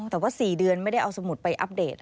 แต่ว่า๔เดือนไม่ได้เอาสมุดไปอัปเดต